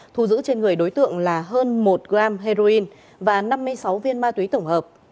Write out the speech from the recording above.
thu giữ trên người đối tượng là hơn một g heroin và năm mươi sáu viên ma túy tổng hợp